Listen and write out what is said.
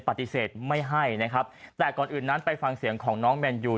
ปฏิเสธไม่ให้นะครับแต่ก่อนอื่นนั้นไปฟังเสียงของน้องแมนยู